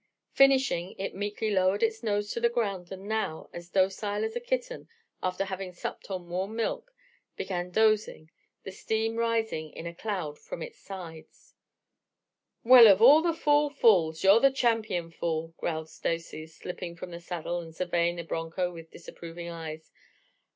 Finishing, it meekly lowered its nose to the ground and now, as docile as a kitten after having supped on warm milk, began dozing, the steam rising in a cloud from its sides. "Well, of all the fool fools, you're the champion fool!" growled Stacy, slipping from the saddle and surveying the broncho with disapproving eyes.